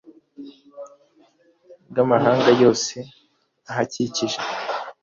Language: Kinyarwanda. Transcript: Bw amahanga yose ahakikije